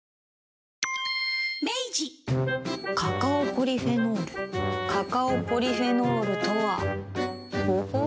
カカオポリフェノールカカオポリフェノールとはほほう。